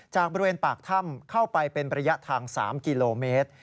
จากบริเวณปากถ้ำเข้าไปเป็นระยะทาง๓กิโลเมตร